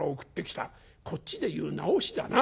こっちで言う『なおし』だな。